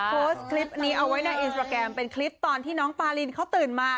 โพสต์คลิปนี้เอาไว้ในอินสตราแกรมเป็นคลิปตอนที่น้องปารินเขาตื่นมา